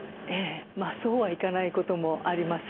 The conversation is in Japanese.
まあそうはいかないこともあります。